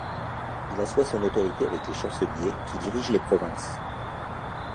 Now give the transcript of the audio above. Il assoit son autorité avec les Chanceliers, qui dirigent les provinces.